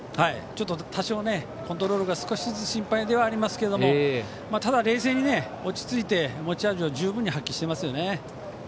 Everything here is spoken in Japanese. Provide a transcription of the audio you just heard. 多少、コントロールが少しずつ心配ではありますがただ、冷静に落ち着いて持ち味を十分に発揮してますよね。